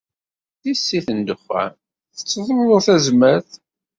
Tissit n ddexxan tettḍurru tazmert.